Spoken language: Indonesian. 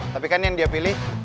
tapi kan yang dia pilih